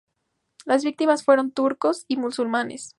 Las víctimas fueron turcos y musulmanes.